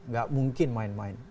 gak mungkin main main